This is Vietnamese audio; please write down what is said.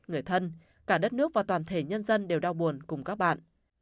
người thân cả đất nước và toàn thể nhân dân đều đau buồn cùng các bạn